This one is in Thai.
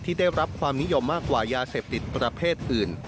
ได้รับความนิยมมากกว่ายาเสพติดประเภทอื่น